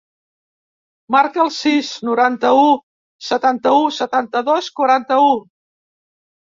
Marca el sis, noranta-u, setanta-u, setanta-dos, quaranta-u.